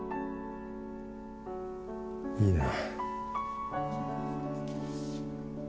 いいな